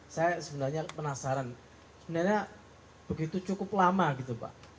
saya sebenarnya penasaran sebenarnya begitu cukup lama gitu pak